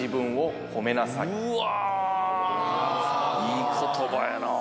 いい言葉やな。